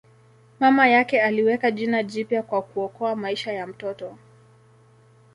Mama yake aliweka jina jipya kwa kuokoa maisha ya mtoto.